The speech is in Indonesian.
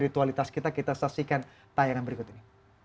kita saksikan tayangan berikut ini